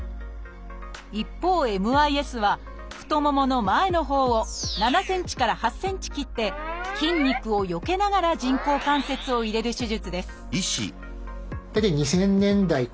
一方ＭＩＳは太ももの前のほうを７センチから８センチ切って筋肉をよけながら人工関節を入れる手術です